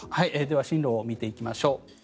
では進路を見ていきましょう。